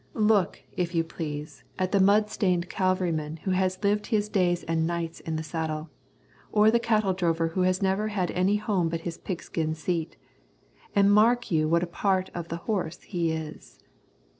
Look, if you please, at the mud stained cavalryman who has lived his days and his nights in the saddle; or the cattle drover who has never had any home but this pigskin seat, and mark you what a part of the horse he is.